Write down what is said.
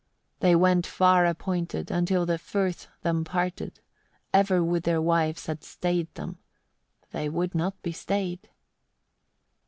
29. They went fair appointed, until the firth them parted: ever would their wives have stayed them, they would not be stayed.